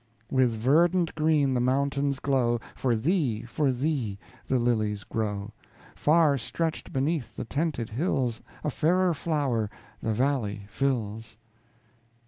With verdant green the mountains glow, For thee, for thee, the lilies grow; Far stretched beneath the tented hills, A fairer flower the valley fills.